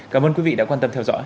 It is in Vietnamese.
cảm ơn quý vị đã quan tâm theo dõi